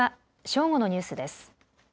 正午のニュースです。